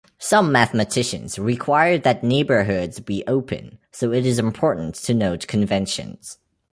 Some mathematicians require that neighbourhoods be open, so it is important to note conventions.